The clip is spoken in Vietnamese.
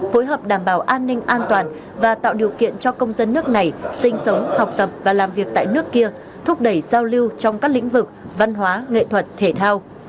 phối hợp đảm bảo an ninh an toàn và tạo điều kiện cho công dân nước này sinh sống học tập và làm việc tại nước kia thúc đẩy giao lưu trong các lĩnh vực văn hóa nghệ thuật thể thao